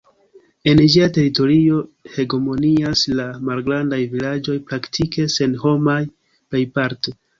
En ĝia teritorio hegemonias la malgrandaj vilaĝoj, praktike senhomaj plejparte.